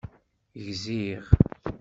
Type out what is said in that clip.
Gziɣ!